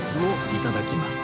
いただきます！